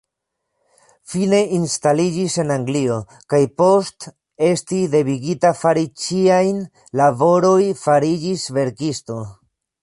Fine instaliĝis en Anglio, kaj post esti devigita fari ĉiajn laboroj fariĝis verkisto.